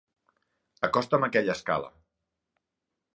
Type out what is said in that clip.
Acosta'm aquella escala.